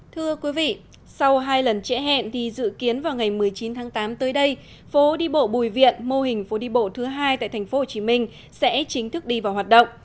thưa quý vị sau hai lần trễ hẹn thì dự kiến vào ngày một mươi chín tháng tám tới đây phố đi bộ bùi viện mô hình phố đi bộ thứ hai tại tp hcm sẽ chính thức đi vào hoạt động